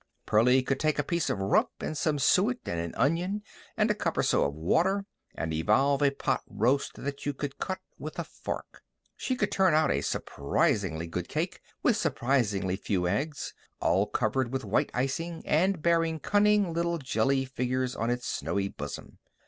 Pearlie could take a piece of rump and some suet and an onion and a cup or so of water, and evolve a pot roast that you could cut with a fork. She could turn out a surprisingly good cake with surprisingly few eggs, all covered with white icing, and bearing cunning little jelly figures on its snowy bosom.